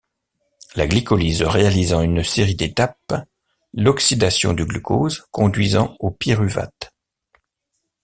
La glycolyse réalise en une série d'étapes l'oxydation du glucose conduisant au pyruvate.